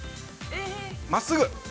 真っすぐ。